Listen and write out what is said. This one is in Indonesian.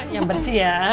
yang bersih ya